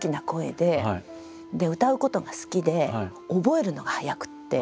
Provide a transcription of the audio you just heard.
で歌うことが好きで覚えるのが早くって。